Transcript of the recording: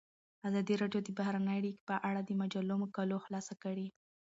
ازادي راډیو د بهرنۍ اړیکې په اړه د مجلو مقالو خلاصه کړې.